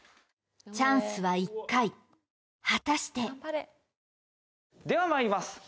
チャンスは１回果たしてではまいります